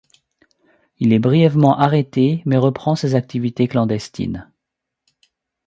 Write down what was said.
Il est brièvement arrêté mais reprend ses activités clandestines.